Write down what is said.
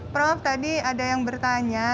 prof tadi ada yang bertanya